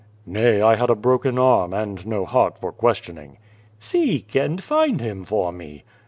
"Nay, I had a broken arm, and no heart for questioning." "Seek, and find him for me."